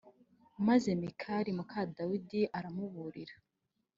Maze Mikali muka Dawidi aramuburira